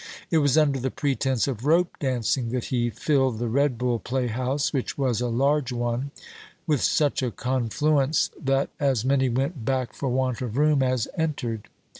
It was under the pretence of rope dancing that he filled the Red Bull playhouse, which was a large one, with such a confluence that as many went back for want of room as entered.